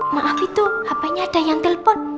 maaf itu hapenya ada yang telepon